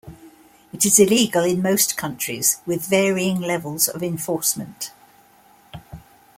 It is illegal in most countries with varying levels of enforcement.